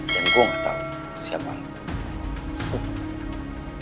dan gue gak tahu siapa lo